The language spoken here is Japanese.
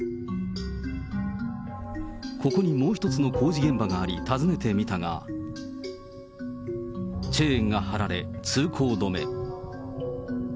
ここにもう一つの工事現場があり、訪ねてみたが、チェーンが張られ、通行止め。